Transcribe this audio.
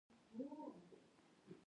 ریښتینې مینه د ودې ملاتړ کوي.